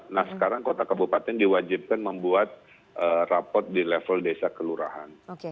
nah sekarang kota kabupaten diwajibkan membuat rapot di level desa kelurahan